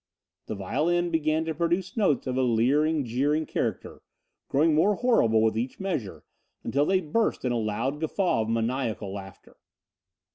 The violin began to produce notes of a leering, jeering character, growing more horrible with each measure until they burst in a loud guffaw of maniacal laughter.